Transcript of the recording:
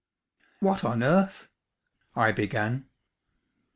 "What on earth ?" I began.